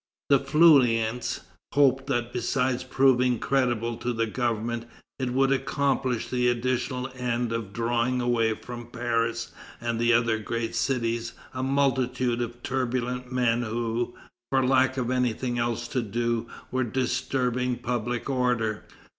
The Feuillants hoped that besides proving creditable to the government, it would accomplish the additional end of drawing away from Paris and other great cities a multitude of turbulent men who, for lack of anything else to do, were disturbing public order.